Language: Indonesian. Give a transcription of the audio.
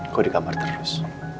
kau di kamar terus